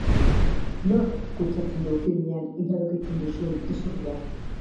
Nork kutsatzen du filmean iradokitzen duzun izurria?